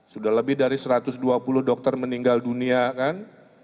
sudah lebih dari satu ratus dua puluh dokter meninggal dunia kan